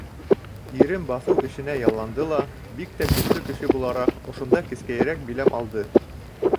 — Ирем баҫыу эшенә ялланды ла, бик тә көслө кеше булараҡ, ошонда кескәйерәк биләм алды.